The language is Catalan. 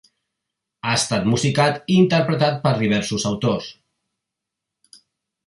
Ha estat musicat i interpretat per diversos autors.